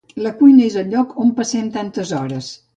La cuina és el lloc on passem tantes hores.